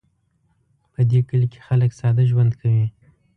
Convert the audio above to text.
په دې کلي کې خلک ساده ژوند کوي